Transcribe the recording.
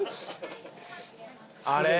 あれ？